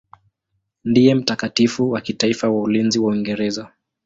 Ndiye mtakatifu wa kitaifa wa ulinzi wa Uingereza.